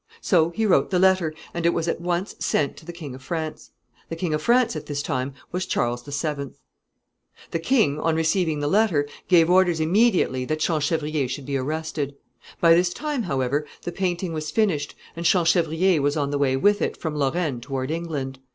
So he wrote the letter, and it was at once sent to the King of France. The King of France at this time was Charles VII. [Sidenote: Champchevrier arrested.] The king, on receiving the letter, gave orders immediately that Champchevrier should be arrested. By this time, however, the painting was finished, and Champchevrier was on the way with it from Lorraine toward England.